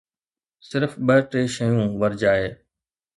صرف ٻه ٽي شيون ورجائي.